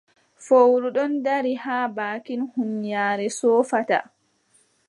Fowru ɗon dari haa baakin huunyaare soofata.